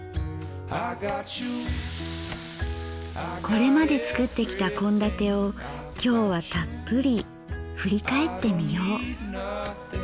これまで作ってきた献立を今日はたっぷり振り返ってみよう。